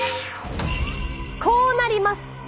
こうなります。